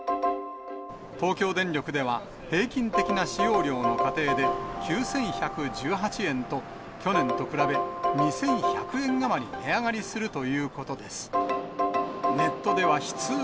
東京電力では、平均的な使用量の家庭で９１１８円と、去年と比べ２１００円余り値上がりするということです。